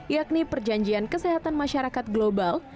yakni perjanjian kesehatan masyarakat global